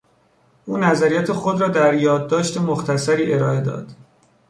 او نظریات خود را در یادداشت مختصری ارائه داد.